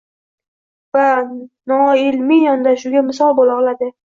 va noilmiy yondashuvga misol bo‘la oladi.